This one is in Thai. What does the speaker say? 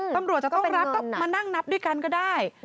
ตำรวจจะต้องรับก็มานั่งนับด้วยกันก็ได้